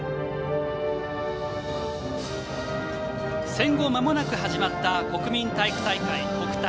戦後まもなく始まった国民体育大会、国体。